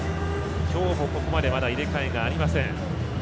今日もここまでまだ入れ替えがありません。